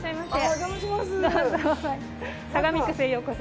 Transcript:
お邪魔します。